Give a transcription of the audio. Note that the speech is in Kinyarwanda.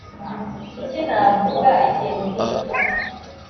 kuki navuga ikintu nkicyo